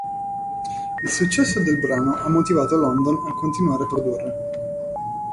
Il successo del brano ha motivato London a continuare a produrre.